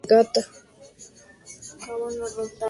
Cuando Douglas Fairbanks, Jr.